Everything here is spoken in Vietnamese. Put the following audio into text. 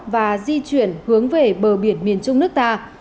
và di chuyển hướng về bờ biển miền trung nước ta